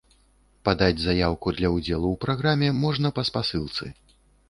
Падаць заяўку для ўдзелу ў праграме можна па спасылцы.